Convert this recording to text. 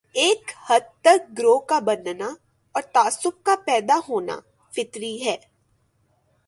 ایک حد تک گروہ کا بننا اور تعصب کا پیدا ہونا فطری ہے۔